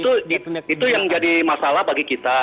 itu yang jadi masalah bagi kita